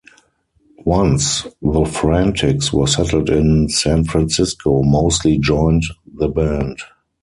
Once The Frantics were settled in San Francisco, Mosley joined the band.